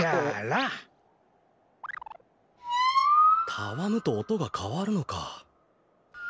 たわむとおとがかわるのか！